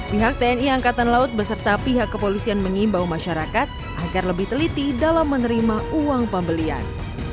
pihak tni angkatan laut beserta pihak kepolisian mengimbau masyarakat agar lebih teliti dalam menerima uang pembelian